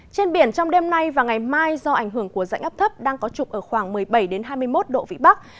trên biển trong đêm nay và ngày mai do ảnh hưởng của dạnh áp thấp đang có trục ở khoảng một mươi bảy hai mươi một độ vị bắc